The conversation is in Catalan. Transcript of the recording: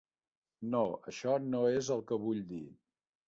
No, això no és el que vull dir.